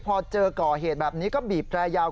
พอเจอก่อเหตุแบบนี้ก็บีบแตรยาว